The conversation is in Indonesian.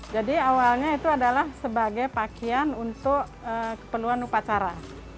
jadi awalnya itu adalah sebagai pakaian untuk keperluan upacara